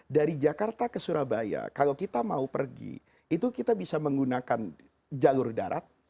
dari jakarta ke surabaya kalau kita mau pergi itu kita bisa menggunakan jalur darat